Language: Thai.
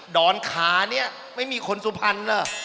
ดอนคาเนี่ยไม่มีคนสุภัณฑ์เหรอ